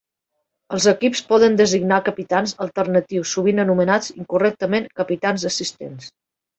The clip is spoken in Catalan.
Els equips poden designar capitans alternatius, sovint anomenats incorrectament "capitans assistents".